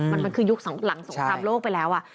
มันคือยุคหลังสงครามโลกไปแล้ว